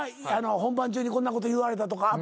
本番中にこんなこと言われたとかアッパー。